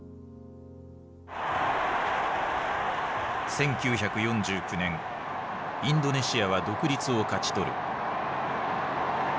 １９４９年インドネシアは独立を勝ち取る。